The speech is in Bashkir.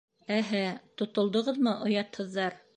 Әһә, тотолдоғоҙмо, оятһыҙҙар?!